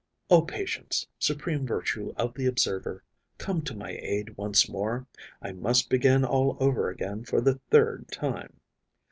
O patience, supreme virtue of the observer, come to my aid once more! I must begin all over again for the third time.